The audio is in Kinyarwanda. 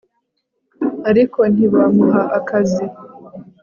ariko ntibamuha akazi